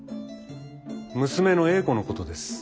娘の英子のことです。